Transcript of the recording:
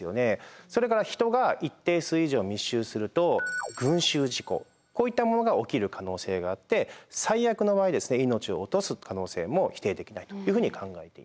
それから人が一定数以上密集すると群集事故こういったものが起きる可能があって最悪の場合命を落とす可能性も否定できないというふうに考えています。